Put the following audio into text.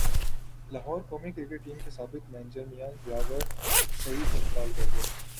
لاہورقومی cricket team کے سابق manager Mian یاور سعید انتقال کرگئے